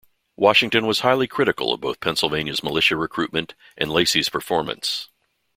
Washington was highly critical of both Pennsylvania's militia recruitment and Lacey's performance.